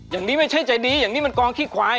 อย่างนี้ไม่ใช่ใจดีอย่างนี้มันกองขี้ควาย